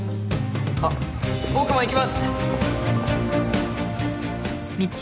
あっ僕も行きます！